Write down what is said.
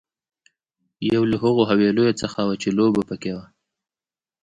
یو له هغو حويليو څخه وه چې لوبه پکې وه.